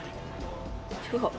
違う。